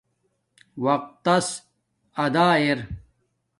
وقت تس ادا اِر